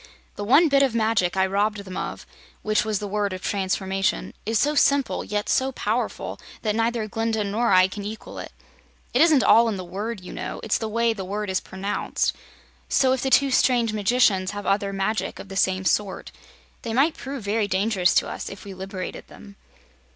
"The one bit of magic I robbed them of which was the Word of Transformation is so simple, yet so powerful, that neither Glinda nor I can equal it. It isn't all in the word, you know, it's the way the word is pronounced. So if the two strange magicians have other magic of the same sort, they might prove very dangerous to us, if we liberated them."